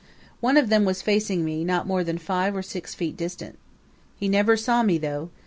One of them was facing me not more than five or six feet distant. He never saw me though.